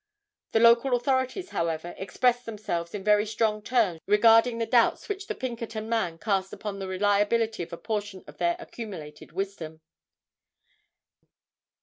The local authorities, however, expressed themselves in very strong terms regarding the doubts which the Pinkerton man cast upon the reliability of a portion of their accumulated wisdom.